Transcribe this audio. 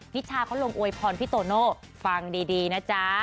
ชาเขาลงอวยพรพี่โตโน่ฟังดีนะจ๊ะ